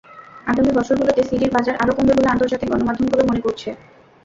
আগামী বছরগুলোতে সিডির বাজার আরও কমবে বলে আন্তর্জাতিক গণমাধ্যমগুলো মনে করছে।